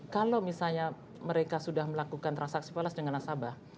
kalau misalnya mereka sudah melakukan transaksi palas dengan nasabah